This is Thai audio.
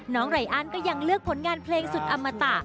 น้องไหลอ้านก็ยังเลือกผลงานเพลงสุดอมตะ